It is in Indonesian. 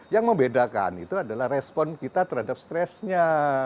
yang membedakan itu adalah respon kita terhadap stresnya